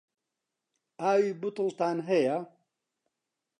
ئاوی بوتڵتان هەیە؟